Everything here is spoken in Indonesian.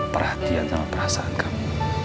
perhatian sama perasaan kamu